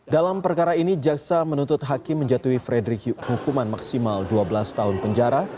dalam perkara ini jaksa menuntut hakim menjatuhi frederick hukuman maksimal dua belas tahun penjara